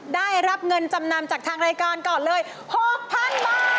ได้รับเงินจำนำจากทางรายการก่อนเลย๖๐๐๐บาท